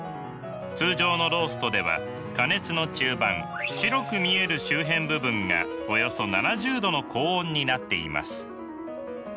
通常のローストでは加熱の中盤白く見える周辺部分がおよそ７０℃の高温になっています。